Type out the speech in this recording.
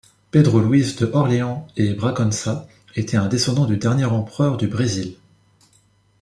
Pedro Luiz de Orleans e Bragança était un descendant du dernier empereur du Brésil.